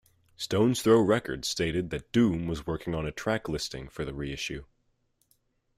Stones Throw Records stated that Doom was working on a track-listing for the reissue.